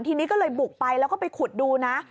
ทีนี้ก็เลยบุกไปแล้วก็ไปขุดดูนะ